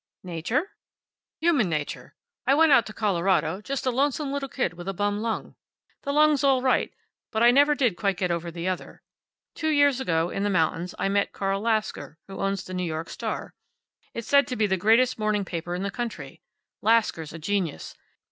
"Nature?" "Human nature. I went out to Colorado just a lonesome little kid with a bum lung. The lung's all right, but I never did quite get over the other. Two years ago, in the mountains, I met Carl Lasker, who owns the New York Star. It's said to be the greatest morning paper in the country. Lasker's a genius.